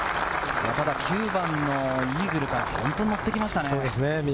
９番のイーグルから本当にのってきましたね。